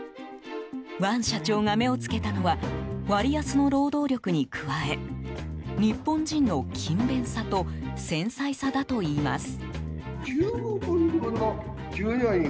ワン社長が目を付けたのは割安の労働力に加え日本人の勤勉さと繊細さだといいます。